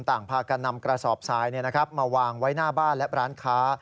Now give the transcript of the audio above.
ต่างพากันนำกระสอบทรายมาวางไว้หน้าบ้านและร้านค้า